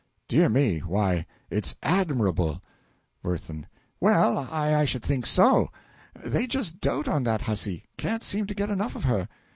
Dear me; why, it's admirable! WIRTHIN. Well, I should think so! They just dote on that hussy can't seem to get enough of her.